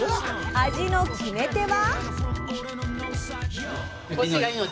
味の決め手は？